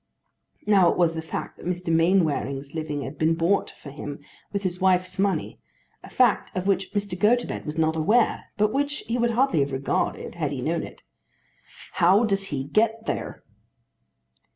Now it was the fact that Mr. Mainwaring's living had been bought for him with his wife's money, a fact of which Mr. Gotobed was not aware, but which he would hardly have regarded had he known it. "How does he get there?"